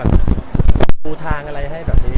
ปูทางอะไรให้แบบนี้